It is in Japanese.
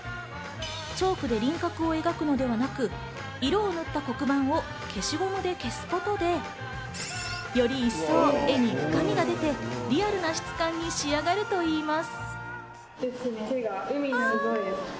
チョークで輪郭を描くのではなく、色を塗った黒板を消しゴムで消すことで、より一層、絵に深みが出てリアルな質感に仕上がるといいます。